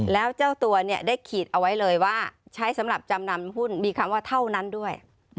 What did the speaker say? แล้วเจ้าตัวเนี่ยได้ขีดเอาไว้เลยว่าใช้สำหรับจำนำหุ้นมีคำว่าเท่านั้นด้วย